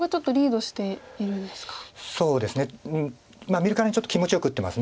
見るからにちょっと気持ちよく打ってます。